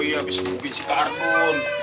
oh iya habis nungguin si kardun